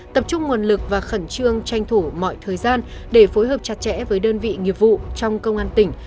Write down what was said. tập trung nguồn lực và khẩn trương tranh thủ mọi thời gian để phối hợp chặt chẽ với đơn vị nghiệp vụ trong công an tỉnh